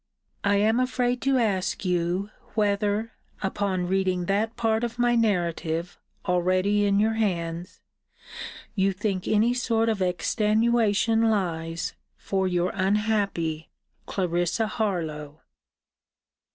I am afraid to ask you, Whether, upon reading that part of my narrative already in your hands, you think any sort of extenuation lies for Your unhappy CLARISSA HARLOWE?